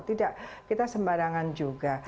tidak kita sembarangan juga